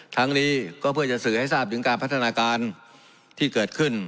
ทั้งนี้ก็เพื่อจะสื่อให้ทราบถึงการพัฒนาการที่เกิดขึ้น